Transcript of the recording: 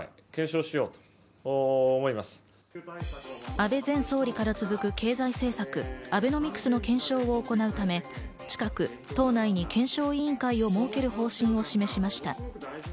安倍前総理から続く経済政策・アベノミスクの検証を行うため、近く党内に検証委員会を設ける方針を示しました。